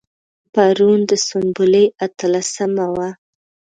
پرون د سنبلې اتلسمه وه.